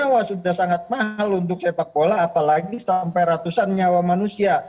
wah sudah sangat mahal untuk sepak bola apalagi sampai ratusan nyawa manusia